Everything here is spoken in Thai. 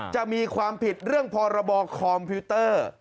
จะมีความผิดเรื่องพรบคอมพิวเตอร์